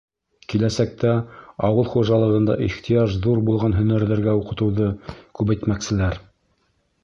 Киләсәктә ауыл хужалығында ихтыяж ҙур булған һөнәрҙәргә уҡытыуҙы күбәйтмәкселәр.